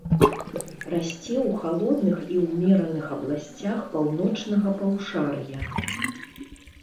Расце ў халодных і ўмераных абласцях паўночнага паўшар'я.